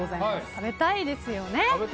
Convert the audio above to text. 食べたいですよね？